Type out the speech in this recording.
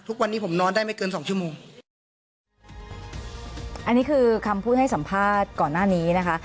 ทุกวันนี้ผมนอนได้ไม่เกินสองชั่วโมงอันนี้คือคำพูดให้สัมภาษณ์ก่อนหน้านี้นะคะ